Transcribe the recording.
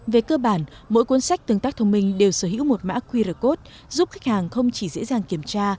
về cơ bản mỗi cuốn sách tương tác thông minh đều sở hữu một mã qr code giúp khách hàng không chỉ dễ dàng kiểm tra